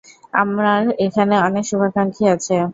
আমার এখানে অনেক শুভাকাঙ্ক্ষী আছে।